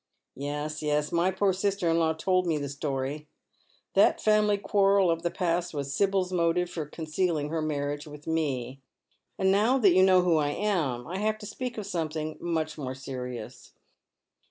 " Yes, yes, my poor sister in law told me the story." *' That family quaixel of the past was Sibyl's motive for con cealing her marriage with me. And now that you know who I am, I have to speak of something much more serious.